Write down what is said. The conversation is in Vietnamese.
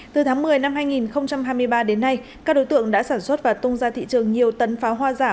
từ tháng một mươi năm hai nghìn hai mươi ba đến nay các đối tượng đã sản xuất và tung ra thị trường nhiều tấn pháo hoa giả